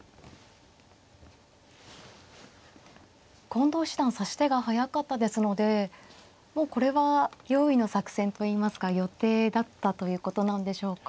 近藤七段指し手が速かったですのでもうこれは用意の作戦といいますか予定だったということなんでしょうか。